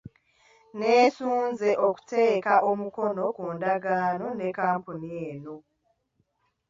Neesunze okuteeka omukono ku ndagaano ne kkampuni eno.